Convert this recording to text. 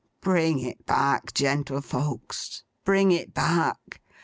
Bring it back, gentlefolks, bring it back!